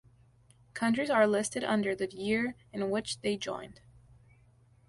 Countries are listed under the year in which they joined.